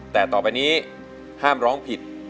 แต่ต่อไปนี้ห้ามร้องผิด